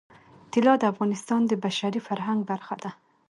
طلا د افغانستان د بشري فرهنګ برخه ده.